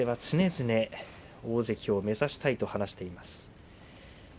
常々、大関を目指したいと話しています。